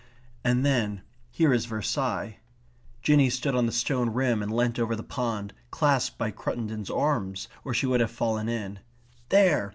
And then, here is Versailles. Jinny stood on the stone rim and leant over the pond, clasped by Cruttendon's arms or she would have fallen in. "There!